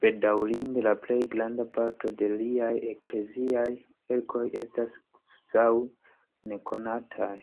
Bedaŭrinde la plej granda parto de liaj ekleziaj verkoj estas kvazaŭ nekonataj.